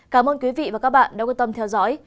cảm ơn quý vị và các bạn đã quan tâm theo dõi